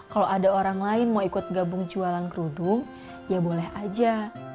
kalau ada orang lain mau ikut gabung jualan kerudung ya boleh aja